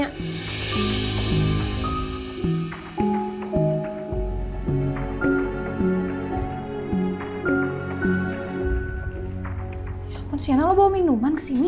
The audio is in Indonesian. ya ampun si ena lo bawa minuman kesini